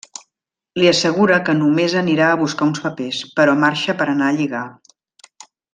Li assegura que només anirà a buscar uns papers, però marxa per anar a lligar.